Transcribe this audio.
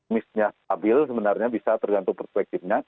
misnya stabil sebenarnya bisa tergantung perspektifnya